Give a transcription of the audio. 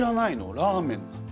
ラーメン？